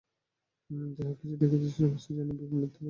যাহা কিছু দেখিতেছে সমস্ত যেন বিভার মিথ্যা বলিয়া মনে হইতেছে।